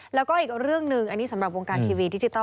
แล้วก็อีกเรื่องหนึ่งอันนี้สำหรับวงการทีวีดิจิทัล